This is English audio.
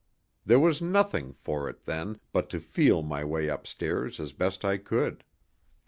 There was nothing for it, then, but to feel my way upstairs as best I could.